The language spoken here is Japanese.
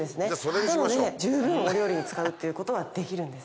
なので十分お料理に使うっていうことはできるんです。